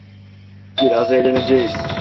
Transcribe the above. Biraz eğleneceğiz.